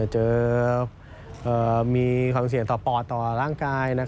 มีความเสี่ยงต่อปอดต่อร่างกาย